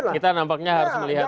kita nampaknya harus melihat